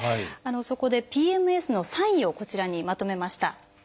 そこでＰＭＳのサインをこちらにまとめました。